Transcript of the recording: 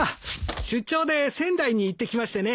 出張で仙台に行ってきましてね。